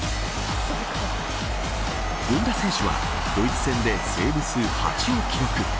権田選手はドイツ戦でセーブ数８を記録。